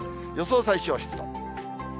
予想最小湿度。